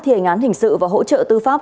thì hình án hình sự và hỗ trợ tư pháp